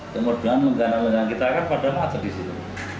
kemudian menggantung kita kan padahal ada di situ